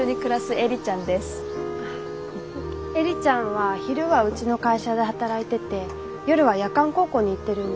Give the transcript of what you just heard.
映里ちゃんは昼はうちの会社で働いてて夜は夜間高校に行ってるんです。